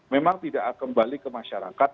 memang tidak kembali ke masyarakat